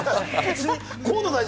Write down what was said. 河野大臣